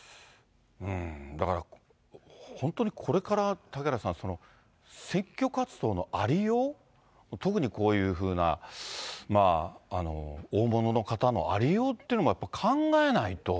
だから、本当にこれから嵩原さん、選挙活動のありよう、特にこういうふうな、大物の方のありようっていうのも、考えないと。